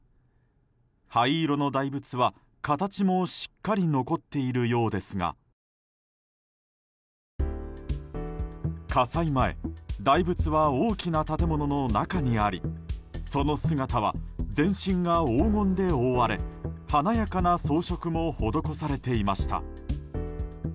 灰色の大仏は形もしっかり残っているようですが火災前大仏は大きな建物の中にありその姿は全身が黄金で覆われ華やかな装飾も施されていました。